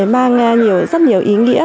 mang rất nhiều ý nghĩa